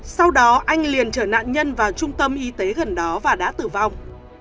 sau đó anh liền chở nạn nhân vào trung tâm y tế gần đó và đã tử vong